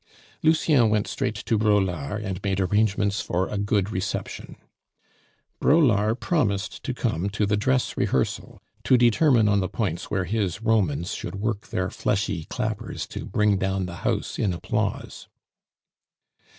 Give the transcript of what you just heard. Lucien went straight to Braulard, and made arrangements for a good reception. Braulard promised to come to the dress rehearsal, to determine on the points where his "Romans" should work their fleshy clappers to bring down the house in applause.